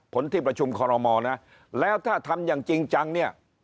ที่ประชุมคอรมอลนะแล้วถ้าทำอย่างจริงจังเนี่ย